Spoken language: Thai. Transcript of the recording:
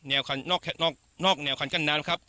แนวคันนอกแค่นอกนอกแนวคันกั้นน้ำครับ